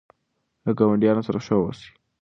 له ګاونډیانو سره ښه اوسئ.